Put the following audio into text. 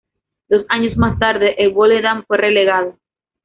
Dos años más tarde, el Volendam fue relegado.